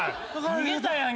逃げたやんけ。